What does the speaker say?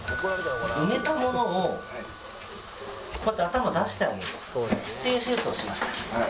埋めたものを引っ張って頭出してあげるっていう手術をしました。